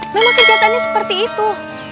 memang kejadiannya seperti itu